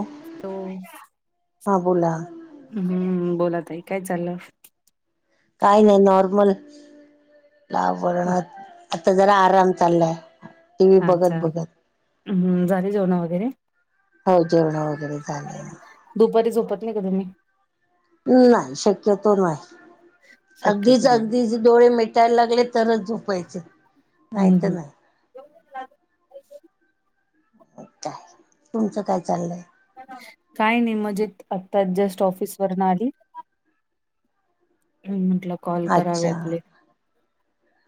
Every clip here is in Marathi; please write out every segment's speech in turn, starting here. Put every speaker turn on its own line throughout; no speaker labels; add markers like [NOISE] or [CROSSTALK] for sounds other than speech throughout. उ
हो
हा बोला.
हम्मम बोला ताई, काय चाललं?.
काय नायी नॉर्मल, का बोलणार आता जरा आराम चाललाय. टी व्ही बघत
अच्छा
बघत
हं, झाली जेवणं वैगेरे?.
हो जेवणं वैगेरे झाली.
दुपारी झोपत नाही का तुम्ही?.
नाही शक्यतो नाही अगदीच
शक्यतो नाही.
अगदीच डोळे मिटाय लागले तरच झोपायचं
हम्म
नाहीतर
हम्म
नाही. तुमचं काय चाललंय?.
काय नाई मजेत आत्ताच जस्ट ऑफिस वरनं आली. मग म्हंटल
अच्छा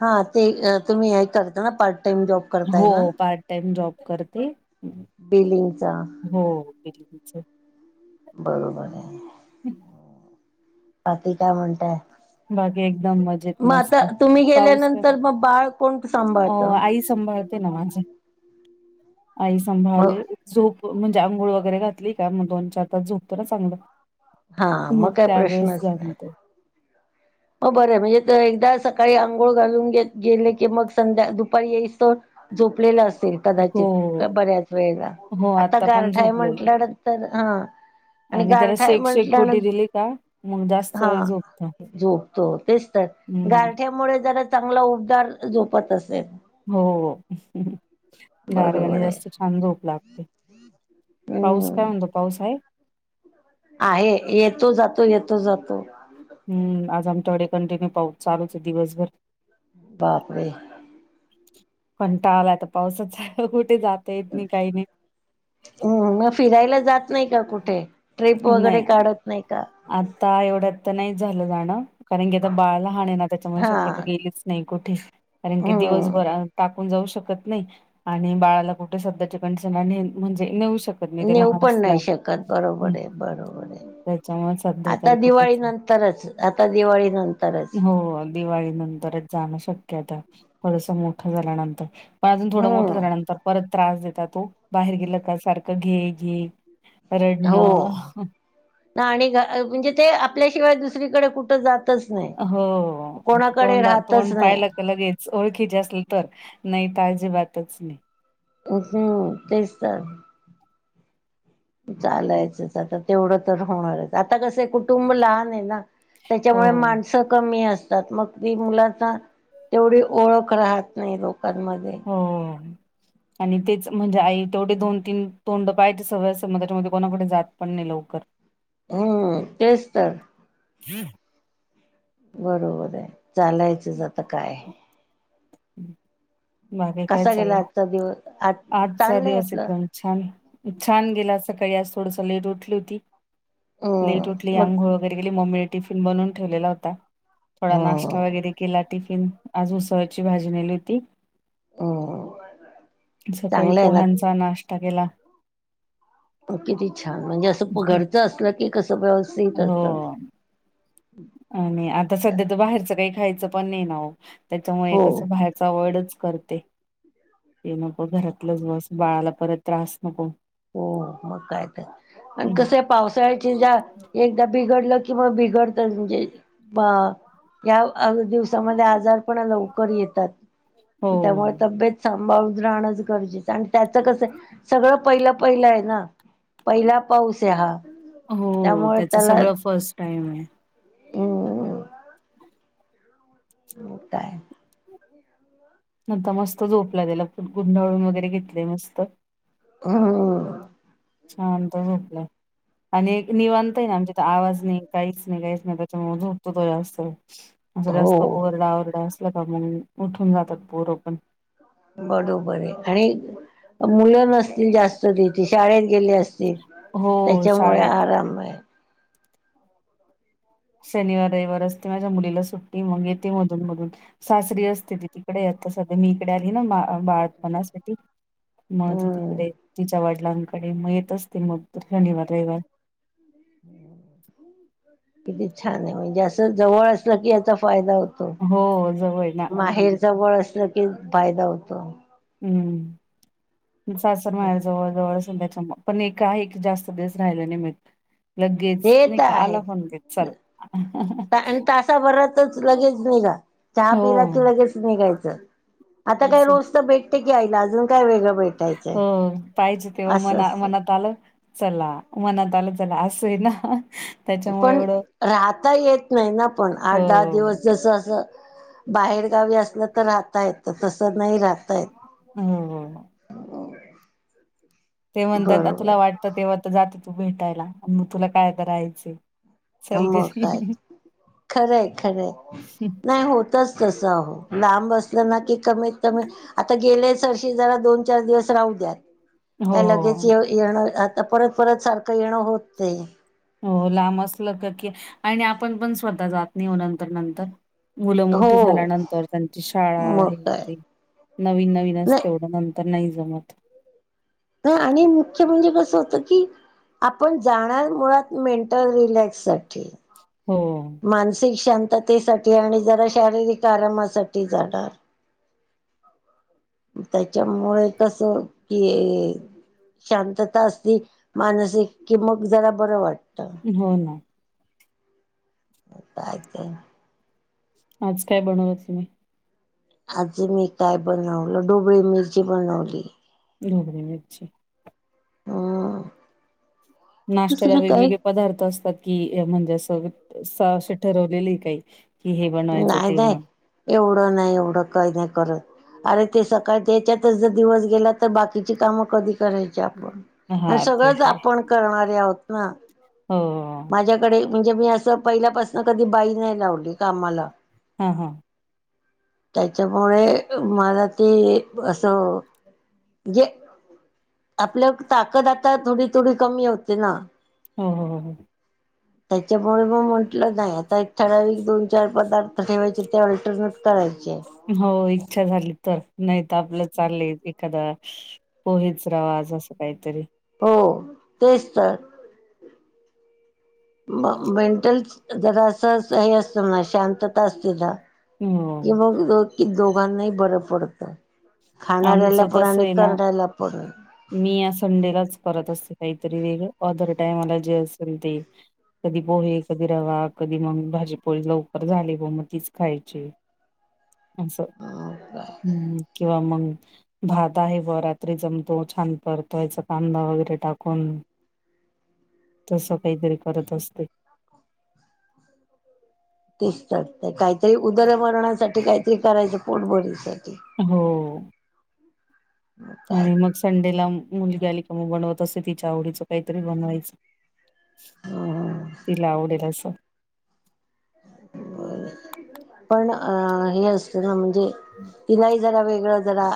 हा ते तुम्ही है करता ना पार्ट टाइम जॉब?. करताय
हो
ना
पार्ट टाइम जॉब करते.
बिलिंगच.
हो एक च
बरोबराय.
ह्ह
बाकी काय म्हणतायत?.
बाकी एकदम मजेत
म
मस्त
आता तुम्ही
पाऊस काय?
गेल्यानंतर म बाळ कोण सांभाळत?.
संभाळते न माझे आई
मग
संभाळतेए झोप म्हणजे आंघोळ वगैरे घातली का मग दोन चार तास झोपतं ना चांगलं.
हा
हं
मग काय
त्यावेेळेस जागिवतं.
हो बरं म्हणजे त एकदा सकाळी आंघोळ घालून गे गेले की मग संध्या दुपारी येईसतोर झोपलेलं असेल कदाचित क
हो,
बऱ्याच वेळेला
हो
आता
पण
गारठाय
झोपलेलो
म्हंटल्याड तर आ आणि
त्याला
गारठाय
शेक-शेक
म्हटल्यानं,
खोटी दिली का मग जास्त
हा
वेळ झोपतो.
झो हो तेचं तरं
हं,
गारठ्यामुळे जरा चांगला उपदार झोपत असेल.
हो गारवाने
बरोबर आहे
जास्तं छान झोप लागते. पाऊस कायं
हम्म
म्हणतो पाऊस आहे.
आहे येतों जातो येतों जातो.
हम्मं आंज आमच्याकडे कंटिन्यू पाऊस चालूं च आहे दिवसभर.
बापरे.
कंटाळा आला आता पावसाचा कुठे जातं येतं नाहीं काहीं नाहीं.
हम्मं मगं फिरायला जात नाहीं कां कुठे ट्रिप
नाही
वगैरे काढत नाहीं कां.
आता एवढ्यात तरं नाहींच झालं जाणं कारणं की आता बाळं लहान हाय ना त्याच्यामुळे
हा
शक्यतो गेलीच. नाहीं कुठेच कारणं की
हम्म
दिवसभरा टाकं. जाऊं शकतं नाहीं आणि बाळाला कुठेच स्वतः कुठेच कंसाने म्हणजे नेऊ शकतं.
नेऊ पणं नाहीं शकतं बरोबर आहे बरोबर आहे.
त्याच्यामुळे सध्या तर
आता दिवाळी
कुठेच नाही.
नंतरच आता दिवाळी नंतरच.
हो दिवाळी नंतरच जाणं शक्यता थोडंसं मोठं झाल्यानंतर. पणं अजूंन थोडं
हम्म
मोठं झाल्यानंतर परतं त्रास देतात तो बाहेर गेला कां सारखं घे घे.
हो
रडणं..
आणि म्हणजे ते आपल्याशिवाय दुसरीकडे कुठं जातं. राहतच नाहीं
हो
कोणाकडे
तोंड
राहतच
तोंड
नाहीं.
पाहिलं लगेच ओळखीचे असलं तर नाहीं अजीबातच नाहीं.
हम्मं तेचतर. चालायचंच आता तेवढं तरं होणारच आता कसं कुटुंब लहान आहे ना. त्याच्यामुळे
हो.
माणसं कमी असतं. तरं मगं ती मुलाचा तेवढी ओळख राहतं नाहीं लोकांमध्ये.
हो. आणि तेचं म्हणजे आई तेवढे दोन तीन तोंड पाहाते सगळ्यां समज त्याच्यामध्ये कोणाकडे जातं पणं नाही लवकर. [UNINTELLIGIBLE]
हम्मं तेचं तरं.
हं.
बरोबर आहे चालायचंच आता कायं.
हं.
कसा गेला आजचा दिवस. आज
आजचा
चाललंय
दिवस
आपलं
एकदंम छान छान गेला सकाळीं आज थोडंसं लेट उठली होती. लेट
हम्म
उठली
मग
आंघोळ वगैरे केली मम्मीने टिफिन बनवूंन ठेवलेला होता. थोडा
हम्म
नाश्ता वगैरे केलां टिफिन आज उसळची भाजी नेली होती.
अं.
सकाळी पोह्यांचा नाश्ता केला.
मग किती छान म्हणजे असं घरचं असलं की कसं व्यवस
हो. आणि आता सध्या तरं बाहेरचं काही खायचं पणं नाही ना ओ? त्याच्यामुळे
हो
कसं बाहेरचं आवर्डच कर ते, ये नको, घरातलं बस बाळाला परत त्रास नको.
हो, मग काय तर आणि
हं.
कसं आहे? पावसाळ्याची जात एकदा बिघडलं कि मग बिघडतचं म्हणजे पा या अंग दिवसामध्ये आजार पणा लवकरं येतात.
हो.
त्यामुळे तब्येत सांभाळून राहणचं गरजेचं आहे आणि त्याचं कसं सगळं पहिलं पहिला आहे ना? पहिला पाऊस आहे हा.
हो,
त्यामुळे
त्याचं सगळं फर्स्ट टाईम आहे.
हम्म्म. मोठा हाय. क्या हुआ?
नग मस्त झोप लागेल ह्याला पुढं गुंडावळून वगैरे घेतले मस्त.
अंह.
शांत झोपल्याय. आणि एक निवांताय आहे ना, आमच्या तर आवाज नाही, काहीच नाही, काहीच नाही त्याच्यामुळे झोपतो तो जास्त. असं जास्त
हो
ओरडा, ओरडा असला का, मग उठून जातात पोरं पण.
बरोबर आहे, आणि मुलं नसतील जास्त तिथे शाळेत गेले अस तील.
हो
त्याच्यामुळे
शाळेत
आराम आहे.
शनिवार, रविवार असते माझ्या मुलीला सुट्टी, मग येते मधून मधून. सासरी असते ती तिकडे, आता सध्या मी इकडे आली ना, बा बाळपणासाठी, मग ती
हम्म
तिकडे तिच्या वडी वडीलांकडे, मग येत असतील मग तर शनिवार, रविवार.
किती छान आहे म्हणजे असं जवळ असलं की याचा फायदा हो तो.
हो जवळ आहे ना
माहेर जवळ असलं कि फायदा होतो.
हम्म, सासर-माहेर, जवळ- जवळ. [UNINTELLIGIBLE] पण, एका, एक जास्तं दिवस राहायला नाही मिळत. लगेच,
ते
नाही
तर
का? आला
आहेच
फोन घेत चल.
तासा भरातच लगेच निघा, चहा पिला
हो
की लगेच निघायचं. आता काय,
तस
रोज तर भेटते की आईला, अजुन काय वेगळं भेट?
हो, पाहिजे तेव्हा
असतं
मना-मनात आलं. चला, मनात आलं चला असंय ना. त्याच्यामुळे
पण
एवढं
राहता येत नाही ना, पण आठ, दहा
हो
दिवस जसं असं. बाहेरगावी असलं तर राहता येत, तसं नाही राहता येत.
हंम्म, हंम्म.
हो.
ते म्हणतात, तुला वाटतं तेव्हा तर जाते तू भेटायला आणि मग तुला काय आता राहायचं?
आता मग काय? खरंय, खरंय नाही होत. तसं, तसं अहो, लांब असलं ना की कमीत कमी आता गेले सरशी जरा दोन चार दिवस राहू द्या.
हो
काय लगेच ये-येणं आता परत, परत सारखं येणं होत नाही.
हो लांब असलं का-की, आणि आपण पण स्वतः जात नाही ओ नंतर-नंतर. मुलं मोठी
हो
झाल्यानंतर त्यांची शाळा
मग
हेन
काय
तेन नवीन-नवीन
नाही
असतं त नंतर नाही जमत.
हं आणि मुख्य म्हणजे कसं होतं की आपण जाणार मुळात मेंटल रिलॅक्स साठी
हो.
मानसिक शांततेसाठी आणि जरा शारीरिक आरामासाठी जाणार. त्याच्यामुळे तसं हे-हे'' शांतता असली मानसिक कि मग जरा बरं वाटत.
हो ना.
काय ते?
आज काय बनवलंत तुम्ही?
आज मी काय बनवलं, डोबळी मिरची बनवली.
ढोबळी मिरची.
हा.
नाष्टाला वेगवेगळे पदार्थ असतात कि म्हणजे असं- असे ठरवलेले काही? कि हे बनवायचं
नाही
ते
-नाही
बनव
एवढं नाही, एवढं काही नाही करत. अरे ते सकाळ त्या याच्यातच जर दिवस गेला तर बाकीची कामं कधी करेन? च्या आपण आणि
हा ते
सगळंच
आहे
आपण करणारे आहोत ना
हो.
माझ्याकडे म्हणजे मी असं पहिल्यापासंन कधी बाई नाही लावली कामाला.
हा-हा.
त्याच्यामुळे मला ते असं म्हणजे आपलं ताकद आता थोडी-थोडी कमी होते ना.
हो, हो, हो.
त्याच्यामुळे मग म्हंटलं आता एक ठराविक दोन, चार पदार्थ ठेवायचे ते अल्टरनेट करायचे.
हो इच्छा झाली तर, नाही तर आपलं चालंलय एखादा पोहेच, रवाज असं काहीतरी
हो, तेच तर. म मेंटल जरा असं हे असतं, म्ह शांतता असते ना कि
हो.
मग कि दोघांनाही बरं पडत. खाणारऱ्याला
आमचं
पण
तसं
आणि
आहे ना,
करणार्या ला पण.
मी या संडेलाच करत असते काहीतरी वेगळं, ओदर टायमाला जे असेल ते कधी पोहे, कधी रवा, कधी मगं भाजी-पोळी लवकर झाली व मग तीच खायची. असं
काय
हम्म् किंवा मंग भात आहे व रात्री जमतो छान परतायचा, कांदा वगैरे टाकून. तसं काहीतरी करत असते.
तेच तर ते काहीतरी उदरमरणासाठी काहीतरी करायचं पोट भरण्यासाठी.
हो,
काय
आणि मग संडेला मुलगी अली का मग बनवत असते, तिच्या आवडीचं काहीतरी बनवायचं तिला आवडेल असं.
पण आ हे असत ना म्हणजे कि बाई जरा वेगळं जरा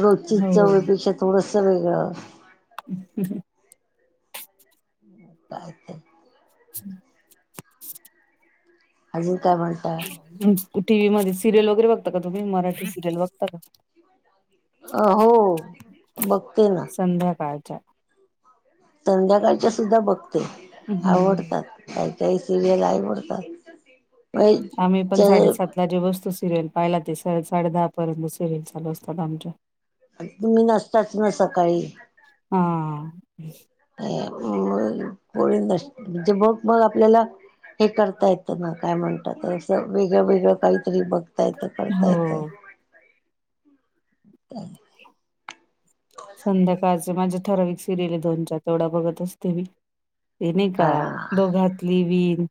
रोजची
हो.
चवी पेक्षा थोडसं वेगळं.
हं, हु.
[INAUDIBLE]
हम्
आणि काय म्हणता?
टी व्ही मध्ये सिरियल वगैरे बघता का तुम्ही मराठी सिरियल बघता का?
अ हो बघतेयं ना
संध्याकाळच्या
संध्याकाळच्या सुद्धा बघते
हम्म.
आवडतात काही काही सिरीयल आवडतात
आम्ही पण साडेसात जे वस्तू सिरियल पाहिला ते, साडे दहा पर्यंत सिरियल चालू असतात आमच्या.
तुम्ही नसताच ना सकाळी
हा
अ, म कोळी नस, म्हणजे मग, मग आपल्याला हे करता येतं ना, काय म्हणतात असं वेगळं वेगळं काहीतरी बघता येत करता येतं
हो
[UNINTELLIGIBLE]
संध्याकाळचे माझे ठराविक सिरियल हे, दोन चार तेवढ्या बघत अस ते, ते नाही का दोघातली विण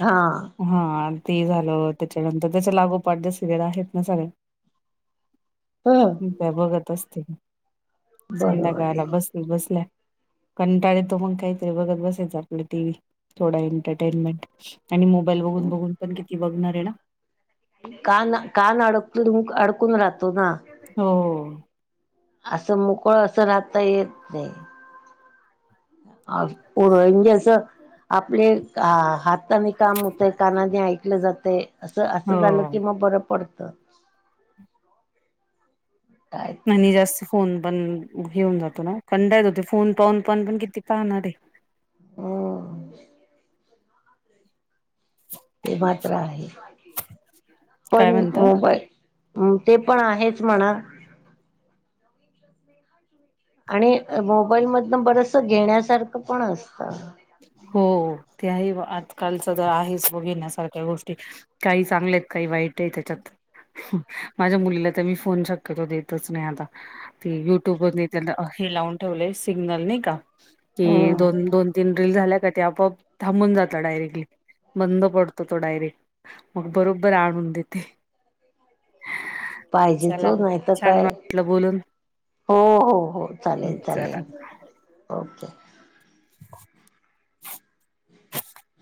हां
हा ते झालं, त्येच्यानंतर त्याच्या लागोपाठ जे सिरियल आहेत ना सगळ्या [UNINTELLIGIBLE]
ह
त्या बघत असते
बरोबर आहे.
संध्याकाळला बसली बसल्या. कंटाळ येतो मग काहीतरी बघत बसायचं आपलं टीव्ही थोडा एंटरटेनमेंट. आणि मोबाईल बघून, बघून पण किती बघणार हे ना.
कान, कान अडक, अडकून राहतो ना.
हो.
असं मोकळ असं राहता येत नाही. अ पुरर्जे असं आपले हाताने काम हुतंय कानाने ऐकलं जातयं असं, असं
हो
झालं की मग बरं पडतं. काय ते
नाही जास्त फोन पण घेऊन जातो ना, कंटाळा येतो फोन पाहून, पाहून पण किती पाहणार हे
हों ते मात्र आहे, पण
काय म्हणता
मोबा हम ते पण आहेच म्हणा आणि मोबाईल मधन बरस घेण्यासारखं पण असतं.
हो, त्या ही आजकालच जरा आहेच बघेण्यासारख्या गोष्टी. काही चांगलेत काही वाईट आहेत त्येच्यात. माझ्या मुलीला तर मी फोन शक्यतो देतच नाही आता. ते युट्यूब वर त्येला, हे लावून ठेवलेय सिग्नल नाही का. कि
हम्म
दोन -दोन, तीन रिल झाल्या का, ते आपोआप थांबून जात डायरेक्टली. बंद पडतो तो डायरेक्ट, मग बरोबर आणून देते.
पाहिजे वो
चला मग
नाही तर
छान
काय
वाटलं बोलून
हो, हो, हो चालेल,
चला.
चालेल ओके.
[UNINTELLIGIBLE]